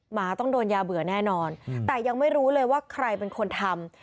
หมาต้องโดนยาเบื่อแน่นอนแต่ยังไม่รู้เลยว่าใครเป็นคนทำ